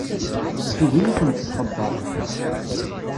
Tugi ad tent-txebber.